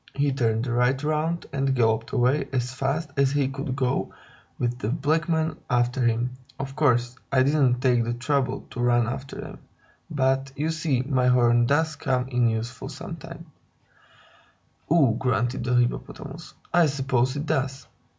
He turned right round and galloped away as fast as he could go, with the black men after him. Of course, I didn't take the trouble to run after them. But, you see, my horn does come in useful sometimes." "Ugh!" grunted the Hippopotamus. "I suppose it does.